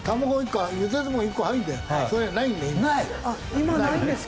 今ないんですか？